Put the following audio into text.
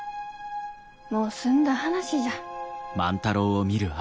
もう済んだ話じゃ。